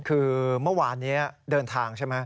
คือเมื่อวานนี้เดินทางใช่ไหม